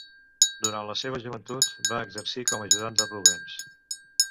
Durant la seva joventut va exercir com ajudant de Rubens.